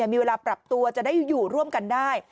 มีเวลาปรับตัวจะได้อยู่ร่วมกันได้